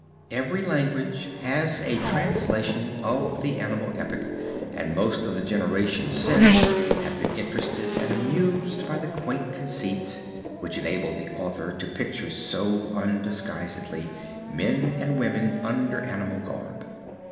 Every language has a translation of the Animal Epic and most of the generations since have been interested and amused by the quaint conceits, which enable the author to picture so undisguisedly, men and women under animal garb.